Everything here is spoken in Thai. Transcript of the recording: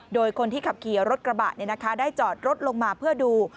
โดยคนที่ขับขี่รถกระบะได้จอดรถลงมาเพื่อดู